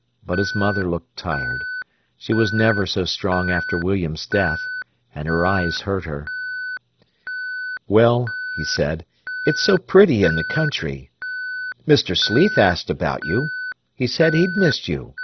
But his mother looked tired. She was never so strong after William's death; and her eyes hurt her. "Well," he said, "it's so pretty in the country. Mr. Sleath asked about you. He said he'd missed you.